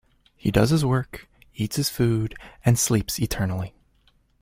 He does his work, eats his food, and sleeps eternally!